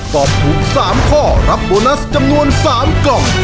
ตอบถูก๓ข้อรับโบนัสจำนวน๓กล่อง